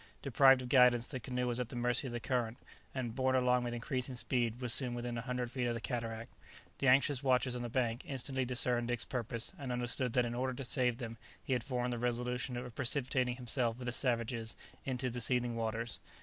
Deprived of guidance, the canoe was at the mercy of the current, and, borne along with increasing speed, was soon within a hundred feet of the cataract. The anxious watchers on the bank instantly discerned Dick's purpose, and understood that in order to save them he had formed the resolution of precipitating himself with the savages into the seething waters.